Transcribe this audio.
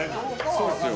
そうですよ。